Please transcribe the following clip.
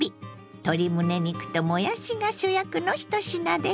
鶏むね肉ともやしが主役の１品です。